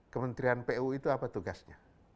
kementerian pu itu apa tugasnya